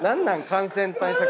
感染対策